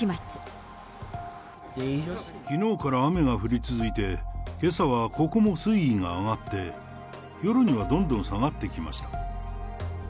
きのうから雨が降り続いて、けさはここも水位が上がって、夜にはどんどん下がってきました。